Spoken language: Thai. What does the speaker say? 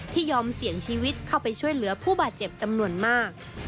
ยอมเสี่ยงชีวิตเข้าไปช่วยเหลือผู้บาดเจ็บจำนวนมาก